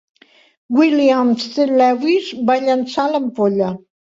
William C Lewis va llançar l'ampolla.